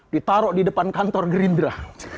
ditaruh di depan kantor gerindra